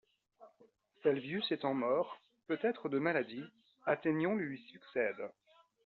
Salvius étant mort, peut-être de maladie, Athénion lui succède.